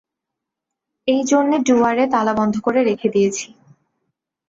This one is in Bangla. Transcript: এই জন্যে ডুয়ারে তালাবন্ধ করে রেখে দিয়েছি।